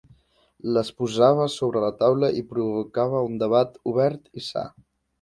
Les posava sobre la taula i provocava un debat obert i sa.